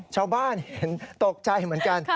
ชาวบ้านเห็นตกใจเหมือนกัน